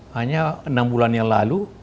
hanya enam bulan yang lalu